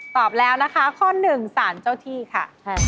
ตอบแล้วนะคะข้อ๑ศาลเจ้าที่ค่ะ